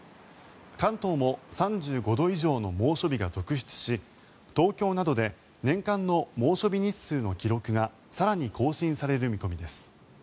関東も３５度以上の猛暑日が続出し東京などで年間の猛暑日日数の記録が更に更新される見込みです。